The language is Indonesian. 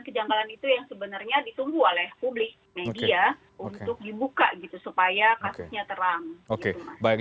kejangan itu yang sebenarnya ditunggu oleh publik media untuk dibuka gitu supaya kasusnya terang